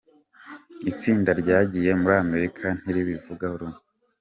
Itsinda ryagiye muri Amerika ntiribivugaho rumwe